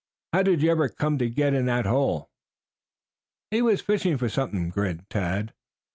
"How did you ever come to get in that hole?" "He was fishing for something," grinned Tad.